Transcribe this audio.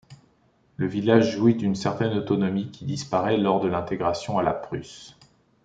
Le village jouit d'une certaine autonomie qui disparaît lors de l'intégration à la Prusse.